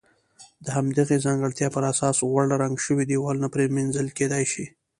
د همدغې ځانګړتیا پر اساس غوړ رنګ شوي دېوالونه پرېمنځل کېدای شي.